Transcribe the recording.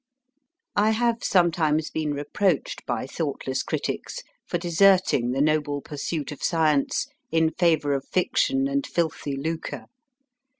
I have sometimes been reproached by thoughtless critics for deserting the noble pursuit of science in favour of fiction and filthy lucre.